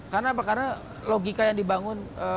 karena logika yang dibangun